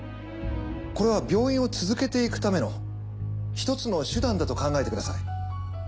これは病院を続けていくための一つの手段だと考えてください。